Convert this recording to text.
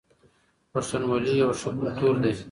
پښتونولي يو ښه کلتور دی.